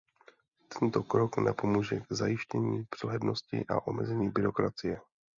Tento krok napomůže k zajištění přehlednosti a omezení byrokracie.